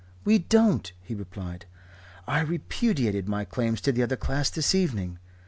"We don't," he replied. "I repudiated my claims to the other class this evening.